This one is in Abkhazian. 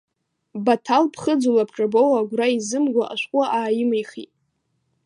Баҭал ԥхыӡу лабҿабоу агәра изымго ашәҟәы ааимихит.